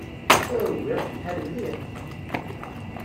Aw, iṛuḥ lḥal mliḥ!